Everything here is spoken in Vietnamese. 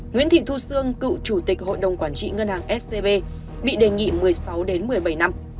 nguyễn thị thu sương cựu chủ tịch hội đồng quản trị ngân hàng scb bị đề nghị một mươi sáu một mươi bảy năm